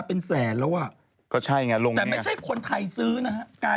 แต่ไม่ใช่คนไทยซื้อนะคะ